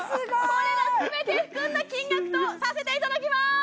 これら全て含んだ金額とさせていただきます！